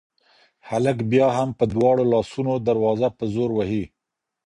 هلک بیا هم په دواړو لاسونو دروازه په زور وهي.